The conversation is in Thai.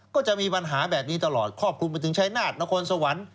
ก็จะมีปัญหาแบบนี้ตลอดครอบคลุมไปถึงชายนาฏนครสวรรค์